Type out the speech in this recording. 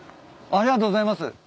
ありがとうございます。